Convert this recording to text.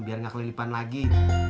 biar gak kelilipan lagi